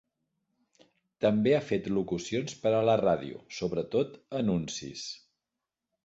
També ha fet locucions per a la ràdio, sobretot anuncis.